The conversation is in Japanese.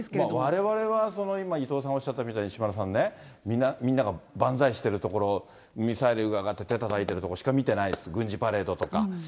われわれは、その今、伊藤さんおっしゃったみたいに、石丸さんね、みんなが万歳してるところ、ミサイルが上がって、手をたたいているところしか見てないです、軍事パレードとか。